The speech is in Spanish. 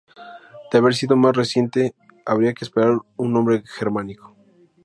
De haber sido más reciente, habría que esperar un nombre germánico.